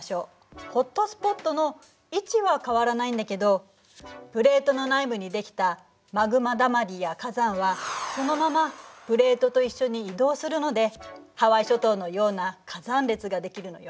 ホットスポットの位置は変わらないんだけどプレートの内部にできたマグマだまりや火山はそのままプレートと一緒に移動するのでハワイ諸島のような火山列ができるのよ。